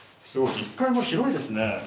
１階も広いですね。